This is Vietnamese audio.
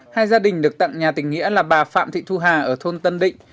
hai gia đình được tặng nhà tình nghĩa là bà phạm thị thu hà ở thôn tân định